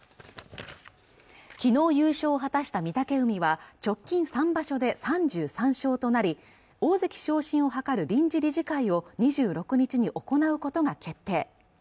きのう優勝を果たした御嶽海は直近３場所で３３勝となり大関昇進をはかる臨時理事会を２６日に行うことが決定